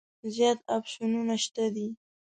زیات اپشنونه شته دي.